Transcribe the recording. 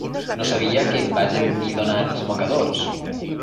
No sabia que em vaig emmidonar els mocadors.